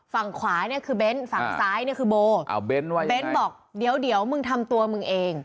อ้อฝั่งขวานี่คือเบนส์ฝั่งซ้ายนี่คือโบอ่าเบนส์ว่ายังไงเบนส์บอกเดี๋ยวเดี๋ยวมึงทำตัวมึงเอง